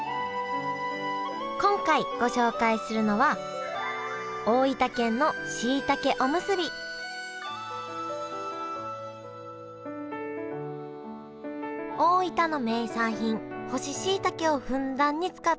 今回ご紹介するのは大分の名産品干ししいたけをふんだんに使ったおむすび。